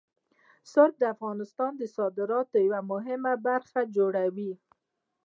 رسوب د افغانستان د صادراتو یوه مهمه برخه جوړوي.